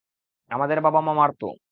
আমাদের বাবা-মা মারত।